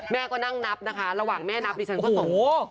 แม่ก็นั่งนับนะคะระหว่างแม่นับดิฉันก็ส่ง